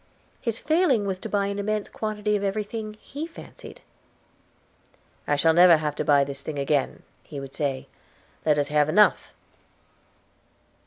His failing was to buy an immense quantity of everything he fancied. "I shall never have to buy this thing again," he would say; "let us have enough."